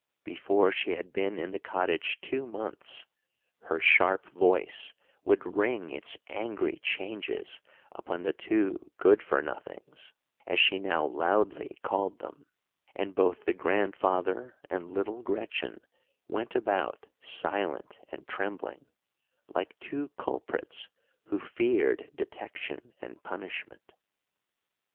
Before she had been in the cottage two months, her sharp voice would ring its angry changes upon the Two Good for Nothings, as she now loudly called them, and both the grandfather and little Gretchen went about silent and trembling, like two culprits who feared detection and punishment.